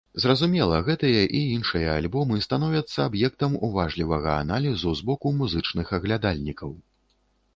Зразумела, гэтыя і іншыя альбомы становяцца аб'ектам уважлівага аналізу з боку музычных аглядальнікаў.